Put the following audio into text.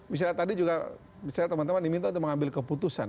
misalnya tadi juga misalnya teman teman diminta untuk mengambil keputusan